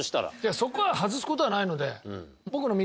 そこは外す事はないので。